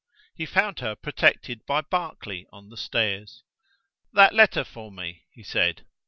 He found her protected by Barclay on the stairs. "That letter for me?" he said.